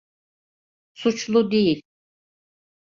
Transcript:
Suçlu değil.